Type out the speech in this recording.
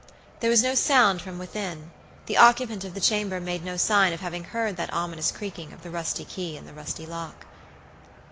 There was no sound from within; the occupant of the chamber made no sign of having heard that ominous creaking of the rusty key in the rusty lock.